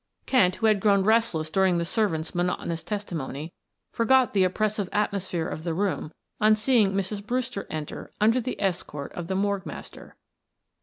Kent, who had grown restless during the servants' monotonous testimony, forgot the oppressive atmosphere of the room on seeing Mrs. Brewster enter under the escort of the morgue master.